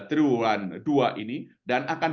triwulan dua ini dan akan